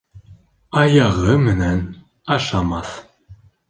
Аяғы менән ашамаҫ.